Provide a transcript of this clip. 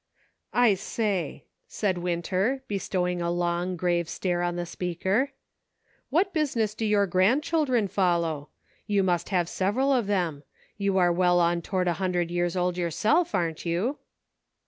" I say," said Winter, bestowing a long, grave stare on the speaker, "what business do your grandchildren follow ? You must have several of them. You are well on toward a hundred years old yourself, aren't you